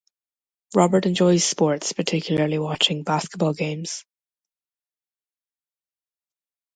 Robert enjoys sports, particularly watching basketball games.